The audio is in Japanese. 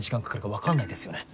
わかんないですよね。